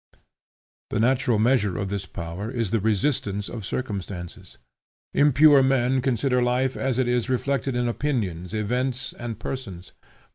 The natural measure of this power is the resistance of circumstances. Impure men consider life as it is reflected in opinions, events, and persons.